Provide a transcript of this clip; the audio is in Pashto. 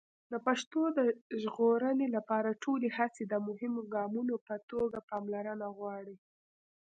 د پښتو د ژغورنې لپاره ټولې هڅې د مهمو ګامونو په توګه پاملرنه غواړي.